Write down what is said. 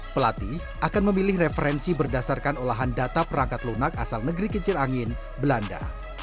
pelatih akan memilih referensi berdasarkan olahan data perangkat lunak asal negeri kincir angin belanda